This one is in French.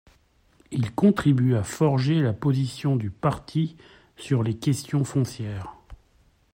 Il contribue à forger la position du parti sur les questions foncières.